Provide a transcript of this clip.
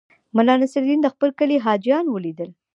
ملا نصرالدین د خپل کلي حاجیان ولیدل.